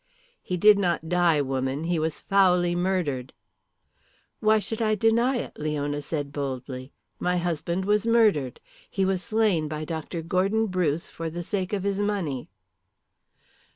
"He did not die, woman. He was foully murdered." "Why should I deny it?" Leona said boldly. "My husband was murdered. He was slain by Dr. Gordon Bruce for the sake of his money."